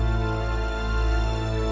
aku mau ke sana